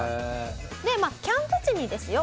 でキャンプ地にですよ